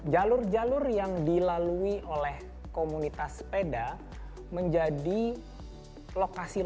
jalur jalur yang dilalui oleh komunitas sepeda menjadi lokasi lain